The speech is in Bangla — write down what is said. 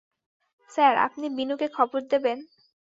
স্যার, আপনি বিনুকে খবর দেবেন?